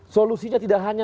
solusinya tidak hanya